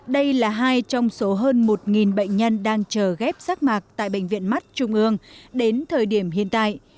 đây là hai trong số hơn một bệnh nhân đang chờ ghép rác mạc tại bệnh viện mắt trung ương đến thời điểm hiện tại